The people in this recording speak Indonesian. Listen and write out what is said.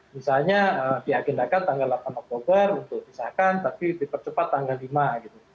misalnya diagendakan tanggal delapan oktober untuk disahkan tapi dipercepat tanggal lima gitu